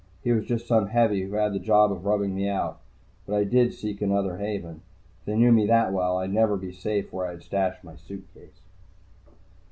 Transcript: He was just some heavy who had the job of rubbing me out. But I did seek another haven. If they knew me that well, I'd never be safe where I had stashed my suitcase.